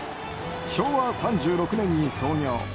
昭和３６年に創業。